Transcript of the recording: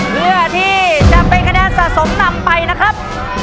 เพื่อที่จะเป็นคะแนนสะสมนำไปนะครับ